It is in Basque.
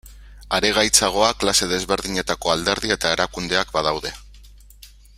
Are gaitzagoa klase desberdinetako alderdi eta erakundeak badaude.